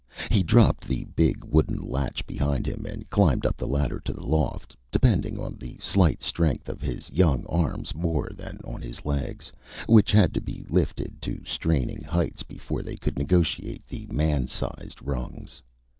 He dropped the big wooden latch behind him, and climbed up the ladder to the loft, depending on the slight strength of his young arms more than on his legs, which had to be lifted to straining heights before they could negotiate the man sized rungs.